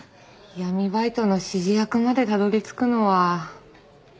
闇バイトの指示役までたどり着くのは。